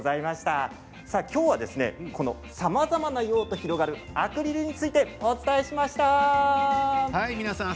きょうは、さまざまな用途が広がるアクリルについてお伝えしました。